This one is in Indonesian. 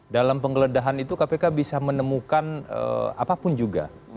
dalam penggeledahan itu kpk bisa menemukan apapun juga